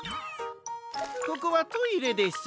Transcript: ここはトイレです。